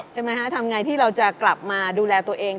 ทำอย่างไรที่เราจะกลับมาดูแลตัวเอง